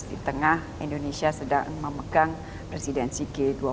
di tengah indonesia sedang memegang presidensi g dua puluh